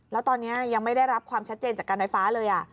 แล้วตอนนี้ยังไม่ได้รับความชัดเจนจากการไฟฟ้าเลย